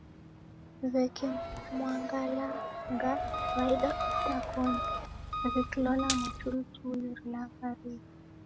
Weke mwangalanga waida itakoni wikilola mwatulituli rilagharie